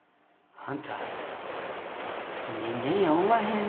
あんた人間やおまへんな」。